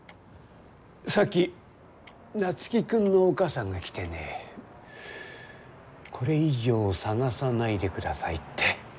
さっき夏樹君のお母さんが来てねこれ以上探さないでくださいって。